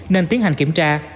nên tiến hành kiểm tra